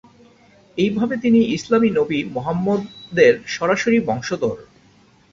এইভাবে তিনি ইসলামী নবী মুহাম্মদের সরাসরি বংশধর।